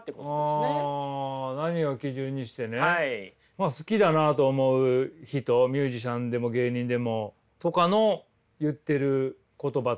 まあ好きだなと思う人ミュージシャンでも芸人でもとかの言ってる言葉とか。